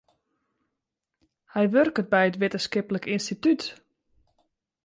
Hy wurket by in wittenskiplik ynstitút.